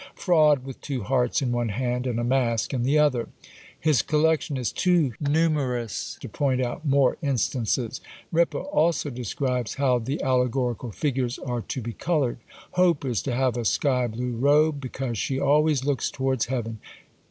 Fraud, with two hearts in one hand, and a mask in the other; his collection is too numerous to point out more instances. Ripa also describes how the allegorical figures are to be coloured; Hope is to have a sky blue robe, because she always looks towards heaven.